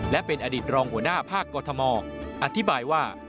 และเป็นอดีตรองหัวหน้าภาคกรทมอธิบายว่า